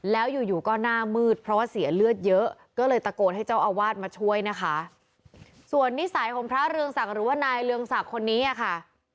แล้วอยู่อยู่ก็หน้ามืดเพราะว่าเสียเลือดเยอะก็เลยตะโกนให้เจ้าอาวาสมาช่วยนะคะส่วนนิสัยของพระเรืองศักดิ์หรือว่านายเรืองศักดิ์คนนี้อ่ะค่ะ